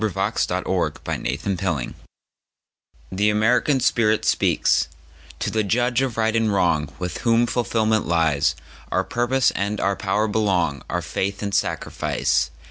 Rudyard Kipling The Choice THE AMERICAN SPIRIT SPEAKS:TO the Judge of Right and WrongWith Whom fulfillment liesOur purpose and our power belong, Our faith and sacrifice.